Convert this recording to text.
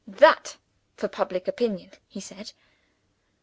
'That for public opinion!' he said.